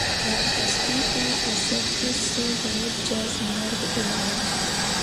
غم ہستی کا اسدؔ کس سے ہو جز مرگ علاج